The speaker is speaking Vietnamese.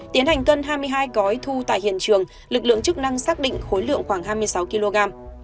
tiến hành cân hai mươi hai gói thu tại hiện trường lực lượng chức năng xác định khối lượng khoảng hai mươi sáu kg